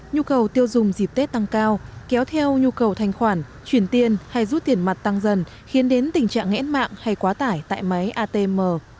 nhu cầu tiêu dùng dịp tết tăng cao kéo theo nhu cầu thanh khoản chuyển tiền hay rút tiền mặt tăng dần khiến đến tình trạng nghẽn mạng hay quá tải tại máy atm